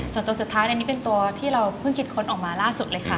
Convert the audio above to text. ส่วนตัวสุดท้ายในนี้เป็นตัวที่เราเพิ่งคิดค้นออกมาล่าสุดเลยค่ะ